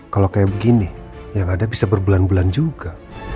kalau kayak begini yang ada bisa berbulan bulan juga